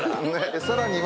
さらには。